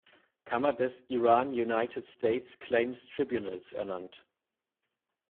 Kammer des Iran-United States Claims Tribunals ernannt.